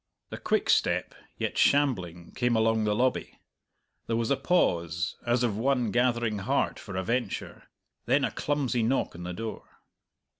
A quick step, yet shambling, came along the lobby. There was a pause, as of one gathering heart for a venture; then a clumsy knock on the door.